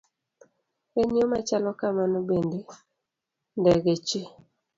E yo machalo kamano bende, ndege chi